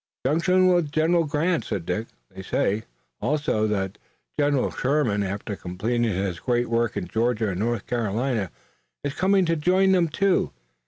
"Junction with General Grant," said Dick. "They say, also, that General Sherman, after completing his great work in Georgia and North Carolina, is coming to join them too.